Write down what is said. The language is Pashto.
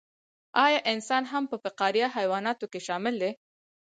ایا انسان هم په فقاریه حیواناتو کې شامل دی